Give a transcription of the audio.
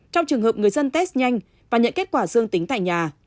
trong trường hợp người dân test nhanh và nhận kết quả dương tính tại nhà